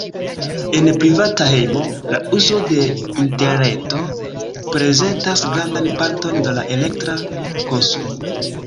En privata hejmo, la uzo de interreto prezentas grandan parton de la elektra konsumo.